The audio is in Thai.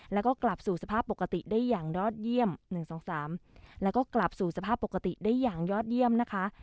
แล้วก็กลับสู่สภาพปกติได้อย่างยอดเยี่ยม๑๒๓แล้วก็กลับสู่สภาพปกติได้อย่างยอดเยี่ยมนะคะ